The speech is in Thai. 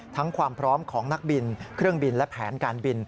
ความพร้อมของนักบินเครื่องบินและแผนการบิน